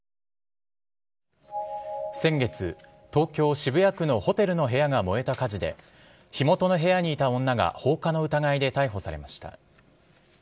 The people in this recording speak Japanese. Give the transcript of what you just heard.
先月、東京・渋谷区のホテルの部屋が燃えた火事で火元の部屋にいた女が放火の疑いで逮捕されました。